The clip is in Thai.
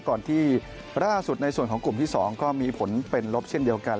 ก่อนที่ล่าสุดในส่วนของกลุ่มที่๒ก็มีผลเป็นลบเช่นเดียวกัน